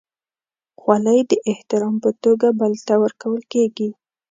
خولۍ د احترام په توګه بل ته ورکول کېږي.